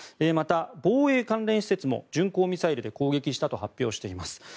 また、防衛関連施設も巡航ミサイルで攻撃したと発表しています。